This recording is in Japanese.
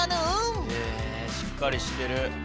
しっかりしてる。